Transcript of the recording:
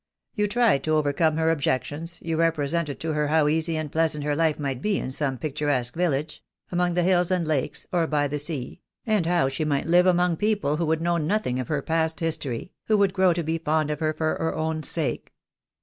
"You tried to overcome her objections, you represented to her how easy and pleasant her life might be in some picturesque village— among the hills and lakes, or by the sea — and how she might live among people who would know nothing of her past history, who would grow to be fond of her for her own sake."